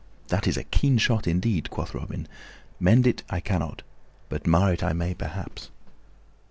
"That is a keen shot indeed," quoth Robin. "Mend it I cannot, but mar it I may, perhaps."